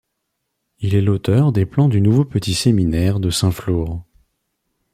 Il est l'auteur des plans du nouveau petit-séminaire de Saint-Flour.